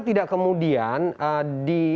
tidak kemudian di